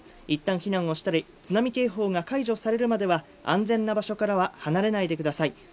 一旦避難をしたり、津波警報が解除されるまでは安全な場所からは離れないでください。